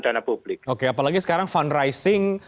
dana publik oke apalagi sekarang fundraising